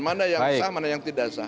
mana yang sah mana yang tidak sah